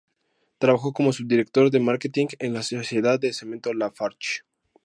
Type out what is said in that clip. Trabajó como subdirector de marketing de la "Sociedad de Cemento Lafarge".